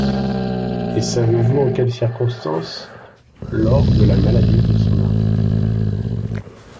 Et savez-vous en quelle circonstance ? Lors de la maladie de son mari.